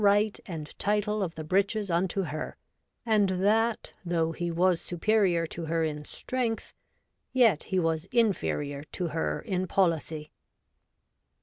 right and title of the Breeches unto her, and that though he was superior to her in strength, yet he was inferior to her in poHcy.'